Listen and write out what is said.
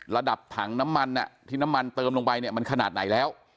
ระดับถังน้ำมันที่น้ำมันเติมลงไปเนี่ยมันขนาดไหนแล้ว